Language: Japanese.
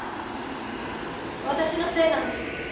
私のせいなんです。